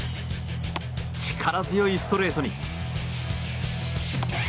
力強いストレートに。